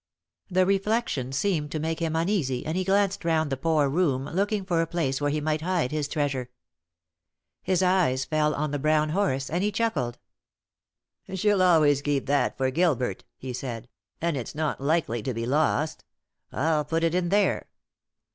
The reflection seemed to make him uneasy, and he glanced round the poor room, looking for a place where he might hide his treasure. His eyes fell on the brown horse, and he chuckled. "She'll always keep that for Gilbert," he said, "and it's not likely to be lost. I'll put it in there."